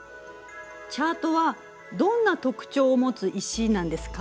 チャートはどんな特徴を持つ石なんですか？